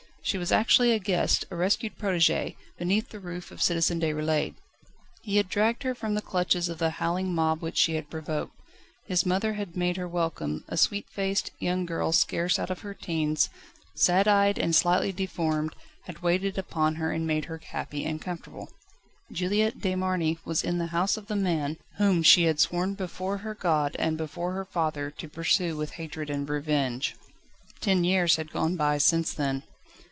She was actually a guest, a rescued protégé, beneath the roof of Citoyen Déroulède. He had dragged her from the clutches of the howling mob which she had provoked; his mother had made her welcome, a sweet faced, young girl scarce out of her teens, sad eyed and slightly deformed, had waited upon her and made her happy and comfortable. Juliette de Marny was in the house of the man, whom she had sworn before her God and before her father to pursue with hatred and revenge. Ten years had gone by since then.